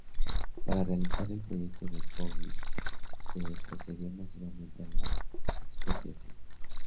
Para realizar el proyecto de Poggi se procedió masivamente a la expropiación.